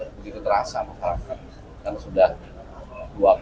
nah begitu terasa maka sudah dua satu kali